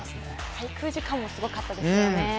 滞空時間もすごかったですよね。